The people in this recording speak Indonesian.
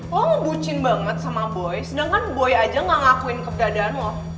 lo ngebucin banget sama boy sedangkan boy aja gak ngakuin kebedadaan lo